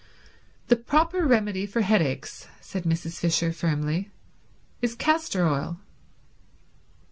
"The proper remedy for headaches," said Mrs. Fisher firmly, "is castor oil."